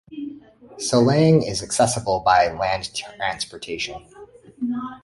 Silang is accessible by land transportation.